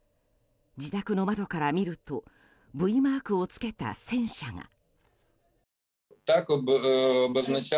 自宅の窓から見ると「Ｖ」マークを付けた戦車が。